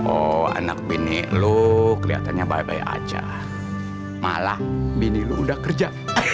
oh anak bini lo kelihatannya baik baik aja malah bini lo udah kerja